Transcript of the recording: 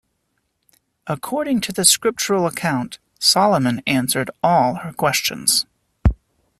According to the scriptural account, Solomon answered all her questions.